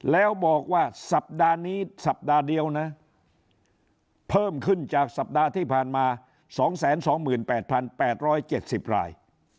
แล้วบอกว่าสัปดาห์นี้สัปดาห์เดียวนะเพิ่มขึ้นจากสัปดาห์ที่ผ่านมา๒๒๘๘๗๐ราย